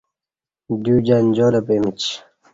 دیوجنجال پمیچ